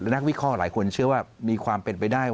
นักวิเคราะห์หลายคนเชื่อว่ามีความเป็นไปได้